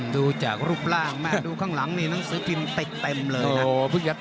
ดูจากรูปร่างดูข้างหลังนางสือพิมพ์ติดเต็มเลย